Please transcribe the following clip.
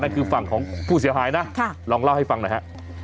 คือฝั่งของผู้เสียหายนะลองเล่าให้ฟังหน่อยฮะ